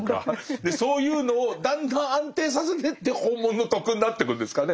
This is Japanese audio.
そういうのをだんだん安定させてって本物の「徳」になってくんですかね。